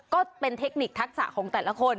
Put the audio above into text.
ก็เป็นเทคนิคทักษะของแต่ละคน